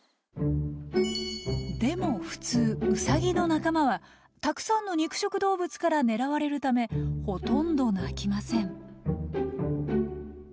でも、普通、ウサギの仲間はたくさんの肉食動物から狙われるためほとんど鳴きません。